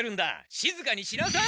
しずかにしなさい。